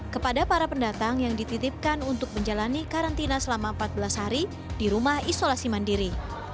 kepada para pendatang yang dititipkan untuk menjalani karantina selama empat belas hari di rumah isolasi mandiri